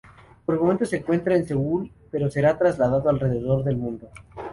Por el momento se encuentra en Seúl pero será trasladado alrededor del mundo.